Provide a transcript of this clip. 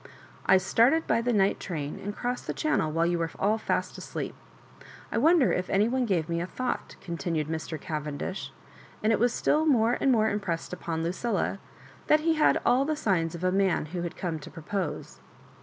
"I started by the night train, and crossed the Channel while you were all fast asleep. I wonder if any one gave me a thought," continued Mr. Cavendish ; and it was etill more and more impressed upon Lucilla that he had all the signs of a man who had come to propose.